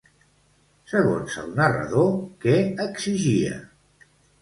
Segons el narrador, què exigia?